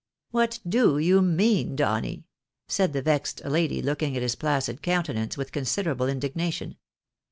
" What do you mean, Donny ?" said the vexed lady, looking at Ms placid countenance with considerable indignation.